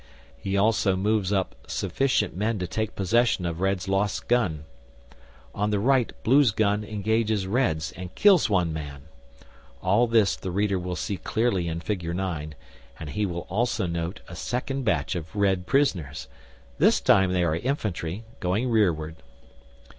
He also moves up sufficient men to take possession of Red's lost gun. On the right Blue's gun engages Red's and kills one man. All this the reader will see clearly in figure 9, and he will also note a second batch of Red prisoners this time they are infantry, going rearward.